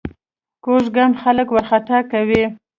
کوږ ګام خلک وارخطا کوي